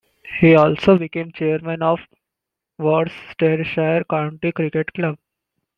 He also became chairman of Worcestershire County Cricket Club.